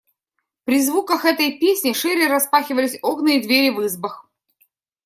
При звуках этой песни шире распахивались окна и двери в избах.